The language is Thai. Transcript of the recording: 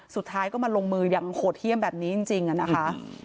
สุดท้ายก็มาลงมืออย่างโหดเยี่ยมแบบนี้จริงนะคะ